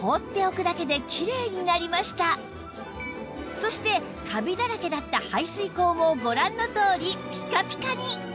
そしてカビだらけだった排水口もご覧のとおりピカピカに！